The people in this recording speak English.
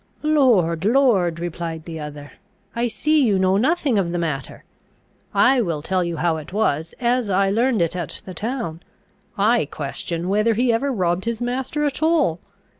"Lord! lord!" replied the other, "I see you know nothing of the matter! I will tell you how it was, as I learned it at the town. I question whether he ever robbed his master at all.